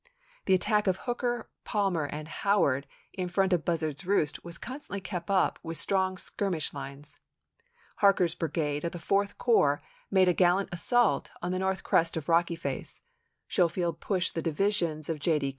The attack of Hooker, Palmer, and Howard in front of Buzzard's Roost was constantly kept up with strong skirmish lines. Harker's brigade of the Fourth Corps made a gal lant assault on the north crest of Rocky Face ; Scho field pushed the divisions of J.